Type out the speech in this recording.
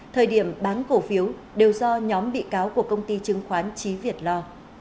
thời điểm bán cổ phiếu đều do nhóm bị cáo của công ty chứng khoán trí việt lo